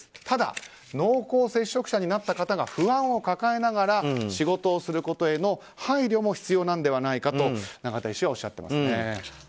ただ、濃厚接触者になった方が不安を抱えながら仕事をすることへの配慮も必要なのではないかと永田医師はおっしゃってますね。